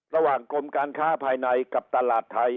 ระหว่างกรมการค้าภายในกับตลาดไทย